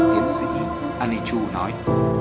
tiến sĩ anichu nói